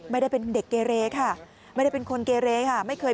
มีการฆ่ากันห้วย